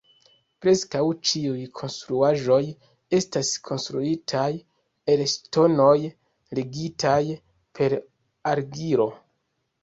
Preskaŭ ĉiuj konstruaĵoj estas konstruitaj el ŝtonoj, ligitaj per argilo.